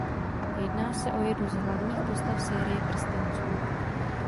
Jedná se o jednu z hlavních postav série "Prstenců".